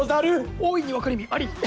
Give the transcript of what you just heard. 大いに分かりみあり！